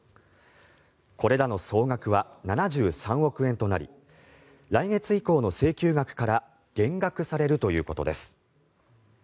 これらの総額は７３億円となり来月以降の請求額から減額されるということです。